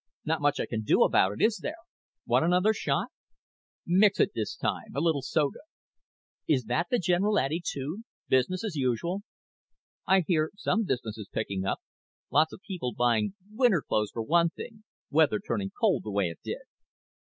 "Not much I can do about it, is there? Want another shot?" "Mix it this time. A little soda. Is that the general attitude? Business as usual?" "I hear some business is picking up. Lot of people buying winter clothes, for one thing, weather turning cold the way it did.